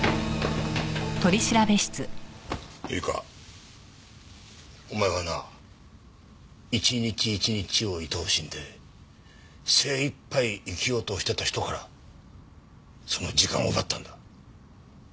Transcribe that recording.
いいかお前はな一日一日を愛おしんで精いっぱい生きようとしていた人からその時間を奪ったんだ。